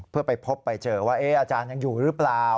เพื่อไปพบไปเจอว่าอาจารย์ยังอยู่หรือเปล่า